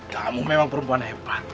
kamu memang perempuan hebat